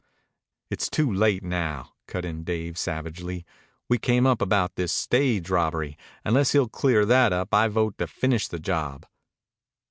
"It's too late now," cut in Dave savagely. "We came up about this stage robbery. Unless he'll clear that up, I vote to finish the job."